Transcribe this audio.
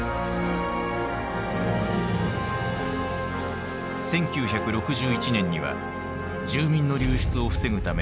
１９６１年には住民の流出を防ぐため壁が作られる。